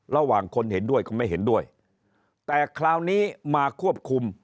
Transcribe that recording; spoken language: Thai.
ระหว่างคนเห็นด้วยกับไม่เห็นด้วยแต่คราวนี้มาควบคุม